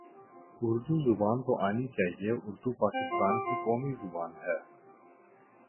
اردو زبان تو آنی چاہیے اردو پاکستان کی قومی زبان ہے